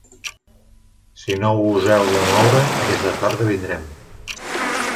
Si no us heu de moure, aquesta tarda vindrem.